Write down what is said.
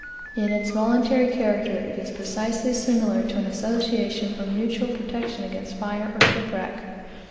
In its voluntary character it is precisely similar to an association for mutual protection against fire or shipwreck.